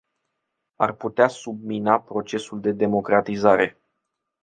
Ar putea submina procesul de democratizare.